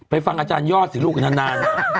ฟังอาจารยอดสิลูกนาน